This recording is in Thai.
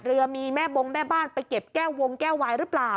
เรือมีแม่บงแม่บ้านไปเก็บแก้ววงแก้ววายหรือเปล่า